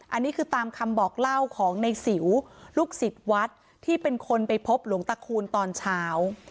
อันนี้คือตามคำบอกเล่าของในสิวลูกศิษย์วัดที่เป็นคนไปพบหลวงตะคูณตอนเช้า